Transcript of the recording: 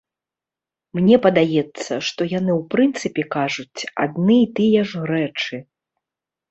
Мне падаецца, што яны ў прынцыпе кажуць адны і тыя ж рэчы.